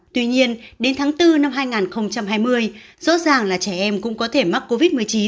tuy nhiên đến tháng bốn năm hai nghìn hai mươi rõ ràng là trẻ em cũng có thể mắc covid một mươi chín